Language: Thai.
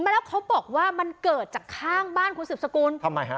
แล้วเขาบอกว่ามันเกิดจากข้างบ้านคุณสิบสกุลทำไมฮะ